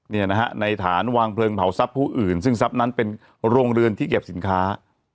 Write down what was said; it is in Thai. เนี่ยนะฮะในฐานวางเพลิงเผาทรัพย์ผู้อื่นซึ่งทรัพย์นั้นเป็นโรงเรือนที่เก็บสินค้า